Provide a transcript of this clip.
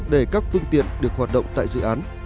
để các phương tiện được hoạt động tại dự án